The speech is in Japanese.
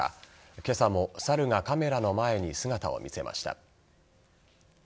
今朝も猿がカメラの前に姿を見せました。